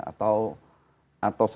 atau saudara sepupunya